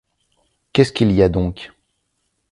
Qu’est-ce qu’il y a donc